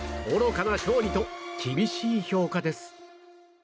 愚かな勝利と厳しい評価です。